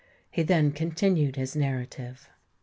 He then continued his narrative.